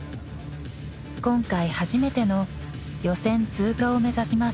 ［今回初めての予選通過を目指します］